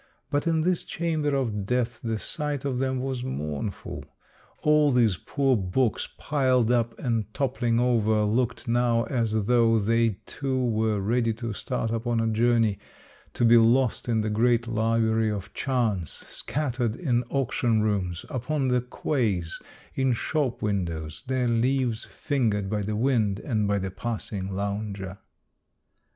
But in this chamber of death the sight of them was mournful. All these poor books piled up and toppling over looked now as though they too were ready to start upon a journey, to be lost in the great library of chance, scattered in auction rooms, upon the quays, in shop windows, their leaves fingered by the wind and by the passing lounger.